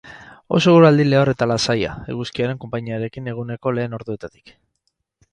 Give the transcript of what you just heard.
Oso eguraldi lehor eta lasaia, eguzkiaren konpainiarekin eguneko lehen orduetatik.